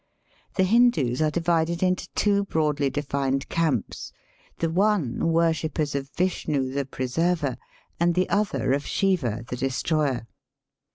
The Hindoos are divided into two broadly defined camps, the one worshippers of Vishnu the Preserver, and the other of Shiva the Destroyer.